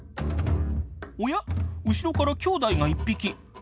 おや後ろからきょうだいが１匹。